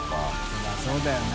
そりゃそうだよな。